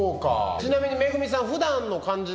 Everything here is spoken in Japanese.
ちなみにめぐみさん。